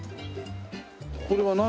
これは何？